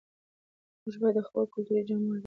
موږ باید د خپلو کلتوري جامو ارزښت وپېژنو.